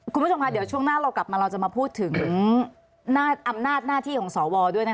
คุณผู้ชมค่ะเดี๋ยวช่วงหน้าเรากลับมาเราจะมาพูดถึงอำนาจหน้าที่ของสวด้วยนะคะ